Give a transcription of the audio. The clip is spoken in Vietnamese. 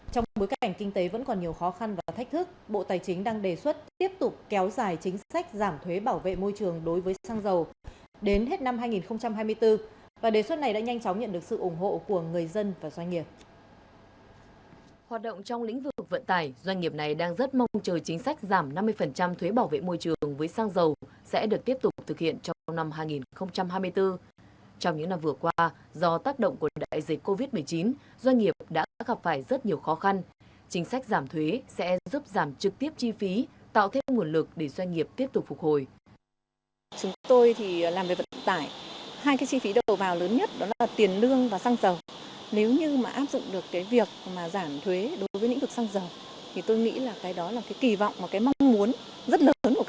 trong bối cảnh kinh tế vẫn còn nhiều khó khăn và thách thức bộ tài chính đang đề xuất tiếp tục kéo dài chính sách giảm thuế bảo vệ môi trường đối với xăng dầu